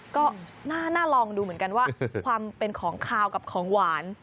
ก็น่าลองดูเหมือนกันว่าความเป็นของขาวกับของหวาน